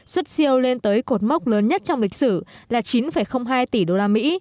xuất siêu lên tới cột mốc lớn nhất trong lịch sử là chín hai tỷ đô la mỹ